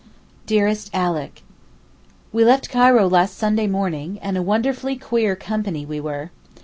DEAREST ALICK, We left Cairo last Sunday morning, and a wonderfully queer company we were.